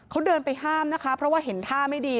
เขาเดินไปห้ามนะคะเพราะว่าเห็นท่าไม่ดี